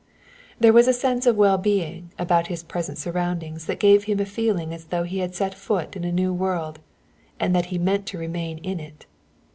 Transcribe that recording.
There was a sense of well being about his present surroundings that gave him a feeling as though he had set foot in a new world and that he meant to remain in it.